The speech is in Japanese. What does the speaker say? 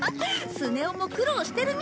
スネ夫も苦労してるみたい。